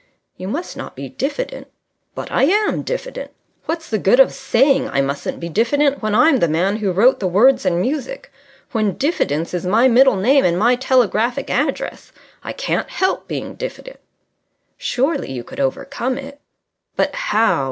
"You must not be diffident." "But I am diffident. What's the good of saying I mustn't be diffident when I'm the man who wrote the words and music, when Diffidence is my middle name and my telegraphic address? I can't help being diffident." "Surely you could overcome it?" "But how?